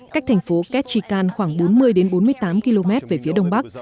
cách thành phố ketchikan khoảng bốn mươi đến bốn mươi tám km về phía đông bắc